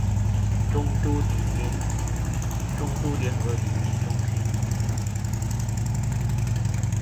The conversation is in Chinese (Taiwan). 中都聯合里民中心